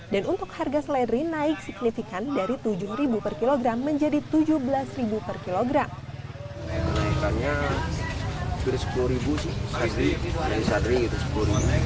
dan untuk harga seledri naik signifikan dari rp tujuh per kilogram menjadi rp tujuh belas per kilogram